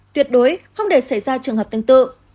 tuyệt đối không để xảy ra trường hợp tương tự